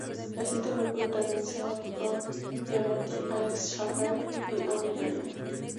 La cinta fue protagonizada por Paul Giamatti, Alex Shaffer y Amy Ryan.